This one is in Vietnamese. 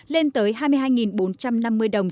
lên tới hai mươi hai bốn trăm năm mươi đồng